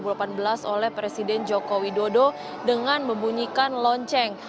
perdagangan bursa di tahun dua ribu delapan belas oleh presiden joko widodo dengan membunyikan lonceng